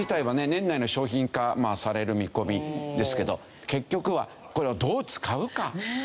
年内の商品化される見込みですけど結局はこれをどう使うかという事ですね。